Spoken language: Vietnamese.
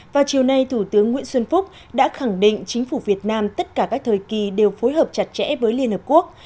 vào chiều nay thủ tướng nguyễn xuân phúc đã khẳng định chính phủ việt nam tất cả các thời kỳ đều phối hợp chặt chẽ với liên hợp quốc